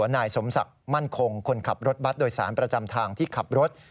นายสมศักดิ์มั่นคงคนขับรถบัตรโดยสารประจำทางที่ขับรถ